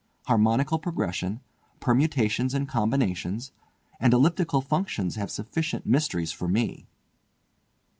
Harmonical Progression, Permutations and Combinations, and Elliptic Functions have sufficient mysteries for me!"